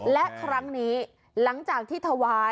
และครั้งนี้หลังจากที่ถวาย